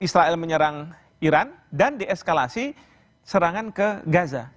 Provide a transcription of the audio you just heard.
israel menyerang iran dan dieskalasi serangan ke gaza